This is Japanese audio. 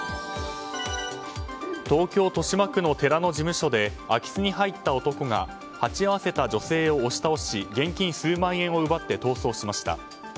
東京・豊島区の寺の事務所で空き巣に入った男が鉢合わせた女性を押し倒し現金数万円を奪って逃走しました。